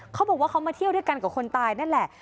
เขาบอกว่าเขามาเที่ยวด้วยกันกับคนตายนั่นแหละ